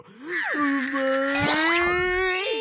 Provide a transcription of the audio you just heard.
うまい！